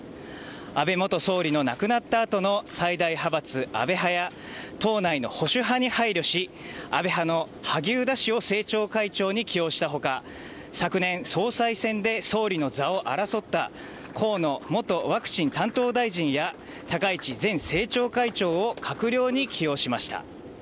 安倍元総理の亡くなった後の最大派閥・安倍派や党内の保守派に配慮し安倍派の萩生田氏を政調会長に起用した他昨年、総裁選で総理の座を争った河野元ワクチン担当大臣や高市前政調会長を閣僚に起用しました。